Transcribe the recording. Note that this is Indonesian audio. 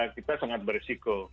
itu kita sangat berisiko